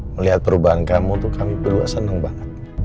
melihat perubahan kamu tuh kami berdua senang banget